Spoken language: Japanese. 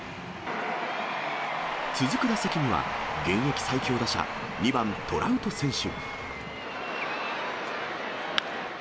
続く打席には、現役最強打者、２番トラウト選手。